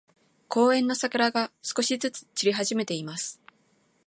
公園の桜が、少しずつ散り始めています。